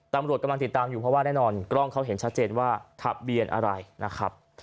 ตำรวจกำลังติดตามอยู่เพราะว่าแน่นอนกล้องเขาเห็นชัดเจนว่าทะเบียนอะไรนะครับ